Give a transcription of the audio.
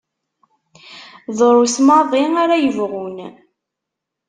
Drus maḍi ara yebɣun.